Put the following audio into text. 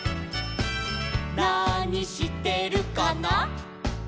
「なにしてるかな」